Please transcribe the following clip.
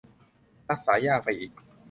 รักษายากไปอีก